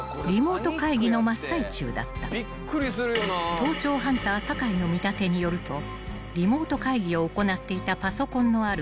［盗聴ハンター酒井の見立てによるとリモート会議を行っていたパソコンのある］